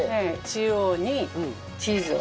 中央にチーズを。